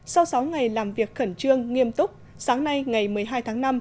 sau sáu ngày làm việc khẩn trương nghiêm túc sáng nay ngày một mươi hai tháng năm